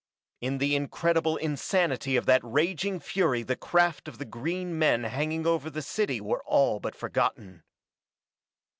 In the incredible insanity of that raging fury the craft of the green men hanging over the city were all but forgotten.